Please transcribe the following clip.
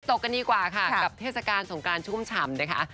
กันดีกว่าค่ะกับเทศกาลสงการชุ่มฉ่ำนะคะ